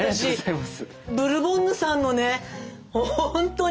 ブルボンヌさんのねほんとに。